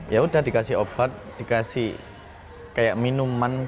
ya udah dikasih obat dikasih kayak minuman